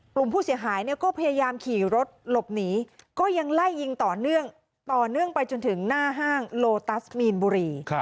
กลุ่มผู้เสียหายก็พยายามขี่รถหลบหนีก็ยังไล่ยิงต่อเนื่องต่อเนื่องไปจนถึงหน้าห้างโลตัสมีนบุรี